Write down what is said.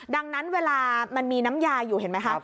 ดังนั้นเวลามันมีน้ำยาอยู่เห็นไหมคะ